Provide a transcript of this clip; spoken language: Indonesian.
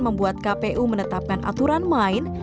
membuat kpu menetapkan aturan main